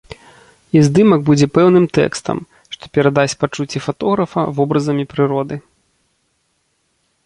І здымак будзе пэўным тэкстам, што перадасць пачуцці фатографа вобразамі прыроды.